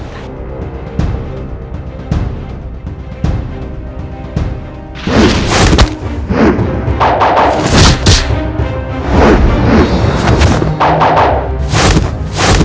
kasar yang penting